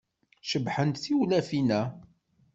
Cebḥent tewlafin-a.